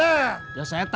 aku mau ke kantor